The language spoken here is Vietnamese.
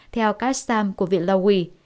theo kassam của viện lowey